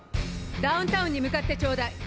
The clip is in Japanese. ダウンタウンに向かってちょうだい。